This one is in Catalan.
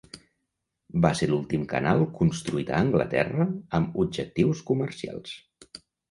Va ser l'últim canal construït a Anglaterra amb objectius comercials.